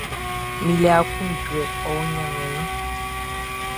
Mi le akloundjouê oh Gnanmien nou.